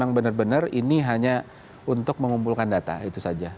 yang benar benar ini hanya untuk mengumpulkan data itu saja